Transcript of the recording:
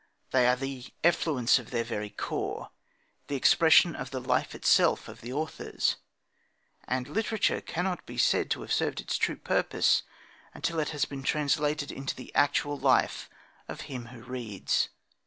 They are the effluence of their very core, the expression of the life itself of the authors. And literature cannot be said to have served its true purpose until it has been translated into the actual life of him who reads.